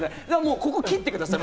ここ切ってください。